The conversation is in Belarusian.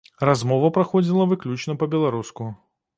Размова праходзіла выключна па-беларуску.